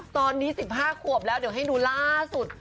ตอนนี้๑๕ขวับแล้วให้ดูล่าสุด